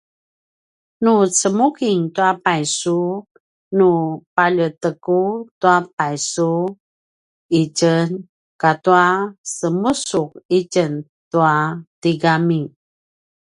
nu cemuking tua paysu nu paljeteku tua paysu itjen katua semusu’ itjen tua tigami